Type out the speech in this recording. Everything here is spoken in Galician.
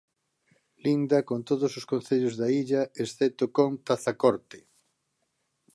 Linda con todos os concellos da illa excepto con Tazacorte.